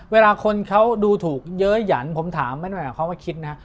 เวลาคนเขาดูถูกเยอะหยันผมถามแม่นว่าคิดนะ